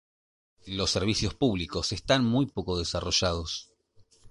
Los servicios públicos están muy poco desarrollados.